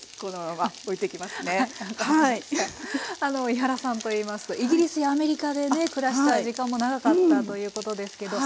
井原さんといいますとイギリスやアメリカでね暮らした時間も長かったということですけど。